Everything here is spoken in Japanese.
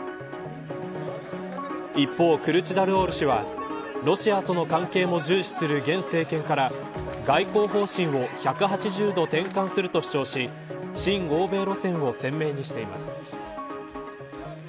一方、クルチダルオール氏はロシアとの関係も重視する現政権から外交方針を１８０度転換すると主張し親欧米路線を鮮明にしています。